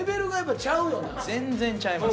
全然ちゃいます